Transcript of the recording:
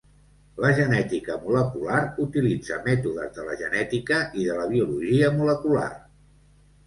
La genètica molecular utilitza mètodes de la genètica i de la biologia molecular.